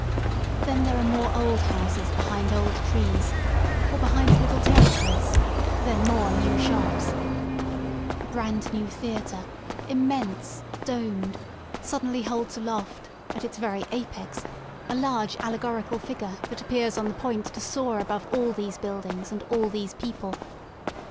Then there are more old houses behind old trees, or behind little terraces, then more new shops, A brand new theatre, immense, domed, suddenly holds aloft, at its very apex, a large allegorical figure that appears on the point to soar over all these buildings and all these people.